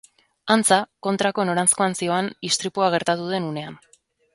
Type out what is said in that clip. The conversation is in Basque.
Antza, kontrako noranzkoan zihoan istripua gertatu den unean.